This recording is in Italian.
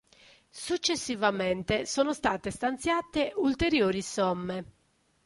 Successivamente sono state stanziate ulteriori somme.